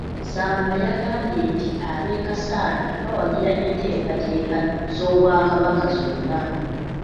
Nsamba yagambye nti ab’e Kassanda bawagira enteekateeka z’Obwakabaka zonna.